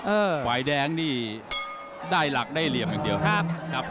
ฝ่ายแดงนี่ได้หลักได้เหลี่ยมอย่างเดียวครับครับ